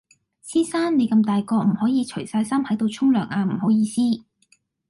先生你咁大個唔可以除晒衫喺度沖涼啊唔好意思